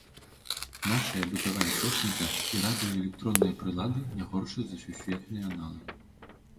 Нашая бытавая тэхніка і радыёэлектронныя прылады не горшыя за сусветныя аналагі.